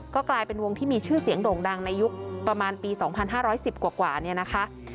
ก็กลายเป็นวงที่มีชื่อเสียงโด่งดังในยุคประมาณปีสองพันห้าร้อยสิบกว่ากว่าเนี่ยนะคะ